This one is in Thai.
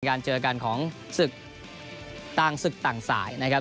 การเจอกันของศึกต่างศึกต่างสายนะครับ